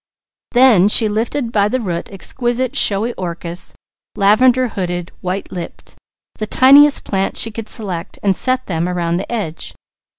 Then she lifted by the root exquisite showy orchis, lavender hooded, white lipped, the tiniest plants she could select and set them around the edge.